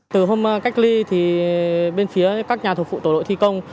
từ hôm cách ly thì bên phía các nhà thuộc phụ tổ đội thi công